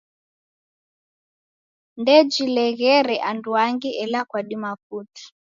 Ndejileghere anduangi ela kwadima putu.